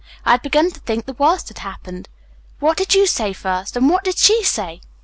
"I had begun to think the worst had happened. What did you say first, and what did she say?"